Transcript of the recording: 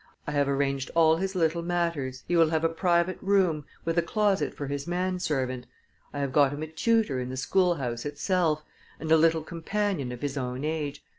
I have arranged all his little matters he will have a private room, with a closet for his man servant; I have got him a tutor in the school house itself, and a little companion of his own age.